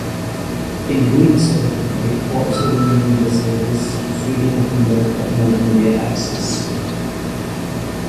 In doing so, they also renamed the service to Freedom of Mobile multimedia Access.